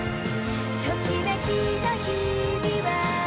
「ときめきの日々は」